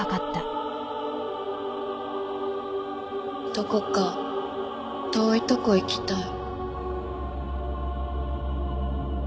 どこか遠いとこ行きたい。